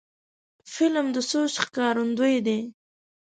فلم د سوچ ښکارندوی دی